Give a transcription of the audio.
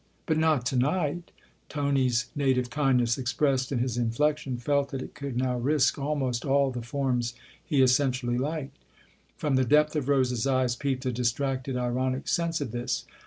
" But not to night !" Tony's native kindness, expressed in his inflection, felt that it could now risk almost all the forms he essentially liked. From the depth of Rose's eyes peeped a dis tracted, ironic sense of this.